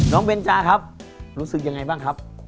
เบนจาครับรู้สึกยังไงบ้างครับ